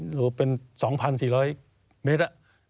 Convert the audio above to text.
หรือเป็น๒๔๐๐เมตร